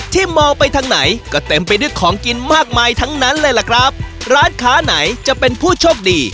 มองไปทางไหนก็เต็มไปด้วยของกินมากมายทั้งนั้นเลยล่ะครับร้านค้าไหนจะเป็นผู้โชคดี